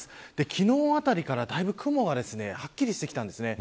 昨日あたりから、だいぶ雲がはっきりしてきました。